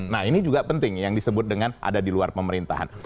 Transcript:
nah ini juga penting yang disebut dengan ada di luar pemerintahan